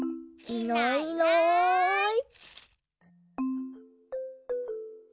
いないいない。